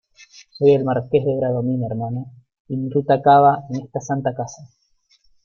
soy el Marqués de Bradomín, hermana , y mi ruta acaba en esta santa casa.